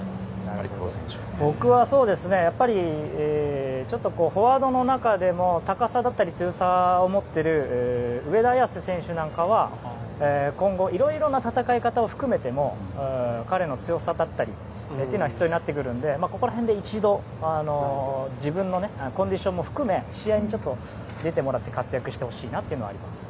僕はちょっとフォワードの中でも高さだったり強さを持つ上田綺世選手なんかは今後、いろいろな戦い方を含めての彼の強さだったりは必要になってくるのでここら辺で一度自分のコンディションも含め試合に出てもらって活躍してほしいなとあります。